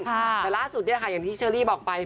แต่ล่าสุดเนี่ยค่ะอย่างที่เชอรี่บอกไป